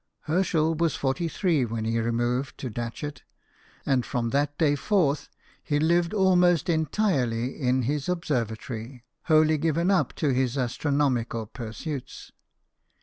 Herschel was forty three when he removed to Datchet, and from that day forth he lived almost entirely in his ob servatory, wholly given up to his astronomical pursuits.